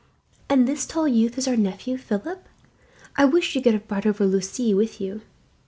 "And this tall youth is our nephew, Philip? I wish you could have brought over Lucie with you.